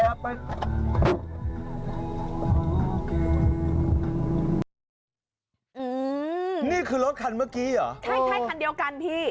นี่คือรถคันเมื่อกี้เหรอใช่ใช่คันเดียวกันพี่